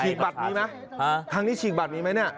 ฉีกบัตรมีไหมครั้งนี้ฉีกบัตรมีไหม